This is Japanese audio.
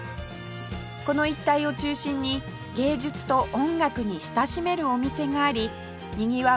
この一帯を中心に芸術と音楽に親しめるお店がありにぎわう